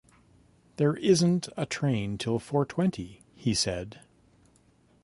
“There isn’t a train till four-twenty,” he said.